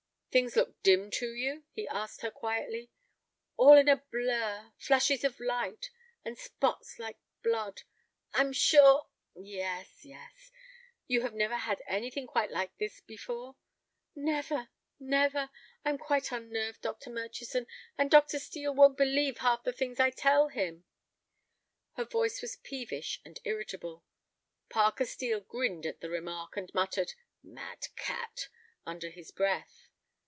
"Things look dim to you?" he asked her, quietly. "All in a blur, flashes of light, and spots like blood. I'm sure—" "Yes, yes. You have never had anything quite like this before?" "Never, never. I am quite unnerved, Dr. Murchison, and Dr. Steel won't believe half the things I tell him." Her voice was peevish and irritable. Parker Steel grinned at the remark, and muttered "mad cat" under his breath.